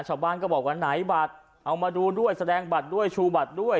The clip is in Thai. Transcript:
ชาวบ้านก็บอกว่าไหนบัตรเอามาดูด้วยแสดงบัตรด้วยชูบัตรด้วย